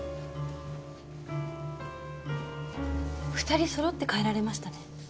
２人揃って帰られましたね。